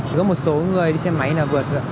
có một số người đi xe máy là vượt